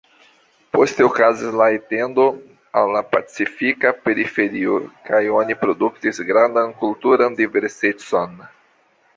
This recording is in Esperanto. Poste okazis la etendo al la pacifika periferio kaj oni produktis grandan kulturan diversecon.